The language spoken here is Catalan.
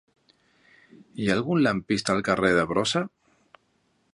Hi ha algun lampista al carrer de Brossa?